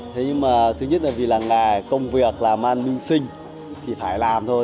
thế nhưng mà thứ nhất là vì là nghề công việc là man minh sinh thì phải làm thôi